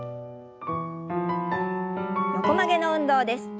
横曲げの運動です。